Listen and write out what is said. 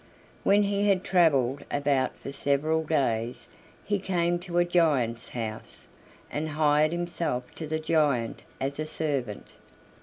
When he had traveled about for several days, he came to a giant's house, and hired himself to the giant as a servant.